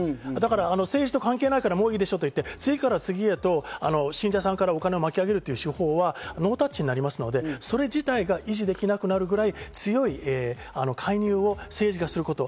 政治と関係ないからもういいでしょと言って、次から次へと信者さんからお金を巻き上げるという手法はノータッチになりますので、それ自体が維持できなくなるぐらい強い介入を政治がすること。